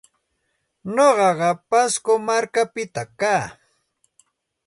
Nuqaqa Pasco markapita kaa.